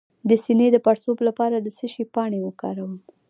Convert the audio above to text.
د سینې د پړسوب لپاره د څه شي پاڼې وکاروم؟